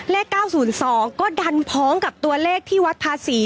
เลข๙๐๒ก็ดันพ้องกับตัวเลขที่วัดภาษี